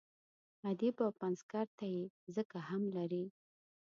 ادیب او پنځګر ته یې ځکه هم لري.